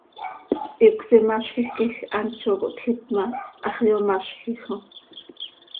Hicös imazjij quij hant zo cohtjiit ma, hax yomazjij oo.